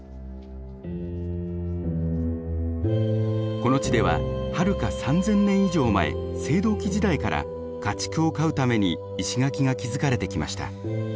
この地でははるか３，０００年以上前青銅器時代から家畜を飼うために石垣が築かれてきました。